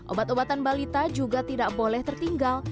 obat obatan balita juga tidak boleh tertinggal